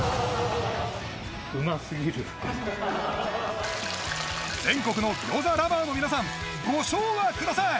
うますぎる全国の餃子ラバーの皆さんご唱和ください